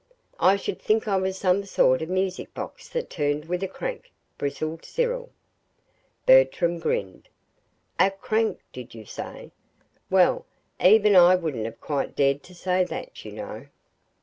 "I should think I was some sort of music box that turned with a crank," bristled Cyril. Bertram grinned. "A CRANK, did you say? Well, even I wouldn't have quite dared to say that, you know!"